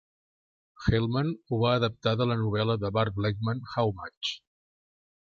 Hellman ho va adaptar de la novel·la de Burt Blechman How Much?